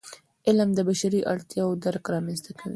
علم د بشري اړتیاوو درک رامنځته کوي.